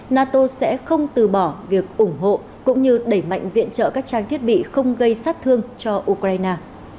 nato sẽ không từ bỏ việc ủng hộ cũng như đẩy mạnh viện trợ các trang thiết bị không gây sát thương cho ukraine